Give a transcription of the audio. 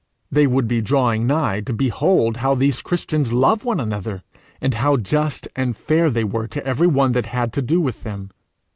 they would be drawing nigh to behold how these Christians loved one another, and how just and fair they were to every one that had to do with them!